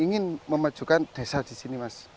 ingin memajukan desa di sini mas